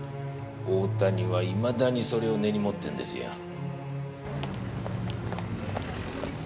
大谷はいまだにそれを根に持ってるんですよ。